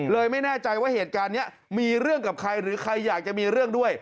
ไม่แน่ใจว่าเหตุการณ์นี้มีเรื่องกับใครหรือใครอยากจะมีเรื่องด้วย